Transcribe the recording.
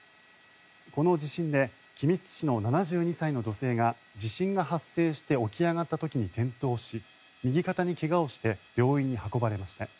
この地震で君津市の７２歳の女性が地震が発生して起き上がった時に転倒し右肩に怪我をして病院に運ばれました。